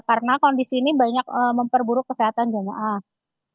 karena kondisi ini banyak memperburuk kesehatan jemah haji